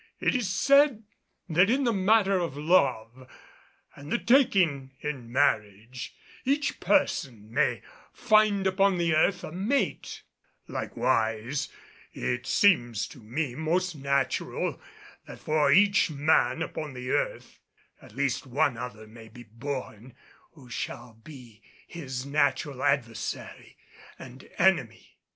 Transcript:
It is said that in the matter of love and the taking in marriage, each person may find upon the earth a mate; likewise it seems to me most natural that for each man upon the earth at least one other may be born who shall be his natural adversary and enemy.